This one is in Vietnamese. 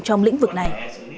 trong lĩnh vực này